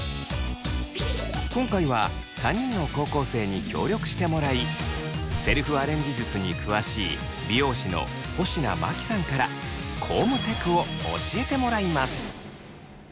今回は３人の高校生に協力してもらいセルフアレンジ術に詳しい美容師の保科真紀さんからコームテクを教えてもらいます。